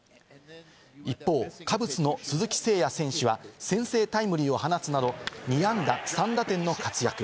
一方、カブスの鈴木誠也選手は先制タイムリーを放つなど２安打３打点の活躍。